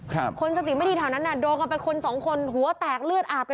คมคนสติไม่ดีทางนั้นโดนกับคนสองคนหัวแตกเลือดหาบ